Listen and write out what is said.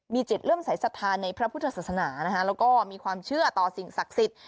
จิตเริ่มสายศรัทธาในพระพุทธศาสนานะคะแล้วก็มีความเชื่อต่อสิ่งศักดิ์สิทธิ์